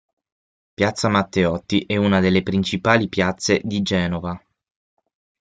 Piazza Matteotti è una delle principali piazze di Genova.